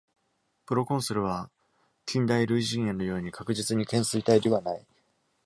「プロコンスル」は、近代類人猿のように確実に懸垂帯ではない。